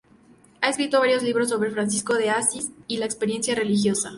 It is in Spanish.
Ha escrito varios libros sobre Francisco de Asís y la experiencia religiosa.